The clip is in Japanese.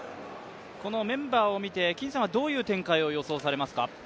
このメンバーを見て、どういう展開を予想されますか？